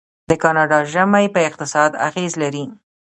د کاناډا ژمی په اقتصاد اغیز لري.